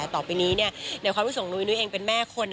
ต่อไปนี้ในความรู้สึกของนุ้ยเองเป็นแม่คน